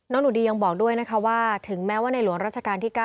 หนูดียังบอกด้วยนะคะว่าถึงแม้ว่าในหลวงราชการที่๙